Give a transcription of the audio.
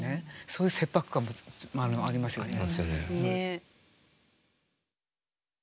そういう切迫感もありますよね。